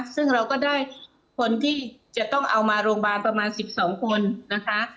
ซึ่งเราก็ได้คนที่จะต้องเอามาโรงพยาบาลประมาณ๑๒คนนะคะ